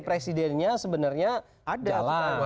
presidennya sebenarnya jalan